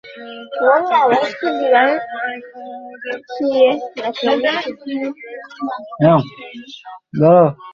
এখানে কবি নবীন চন্দ্র সেনের আদি পুরুষ বসতি স্থাপন করেন।